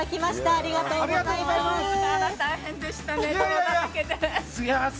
ありがとうございます。